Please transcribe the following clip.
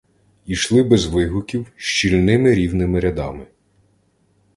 Ішли без вигуків, щільними рівними рядами.